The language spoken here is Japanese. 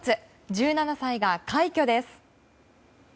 １７歳が快挙です。